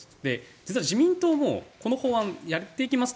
実は、自民党もこの法案をやっていきますって